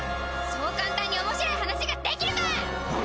そう簡単に面白い話ができるか！